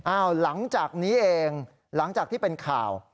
หลังจากนี้เองหลังจากที่เป็นข่าว